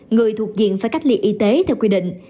người thuộc diện phải cách ly y tế theo quy định